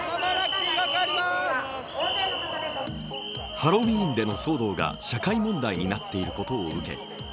ハロウィーンでの騒動が社会問題になっていることを受け